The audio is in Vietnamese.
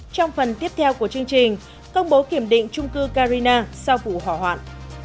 trong phần tiếp theo của chương trình công bố kiểm định trung cư carina sau vụ hỏa hoạn